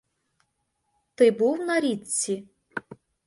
Ти був на річці?